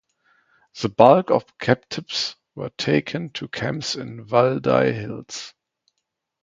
The bulk of the captives were taken to camps in Valdai Hills.